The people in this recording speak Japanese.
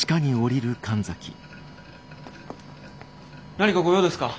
何かご用ですか？